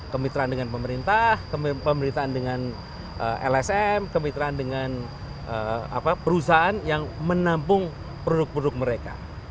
kemitraan dengan pemerintah kemiritaan dengan lsm kemitraan dengan perusahaan yang menampung produk produk mereka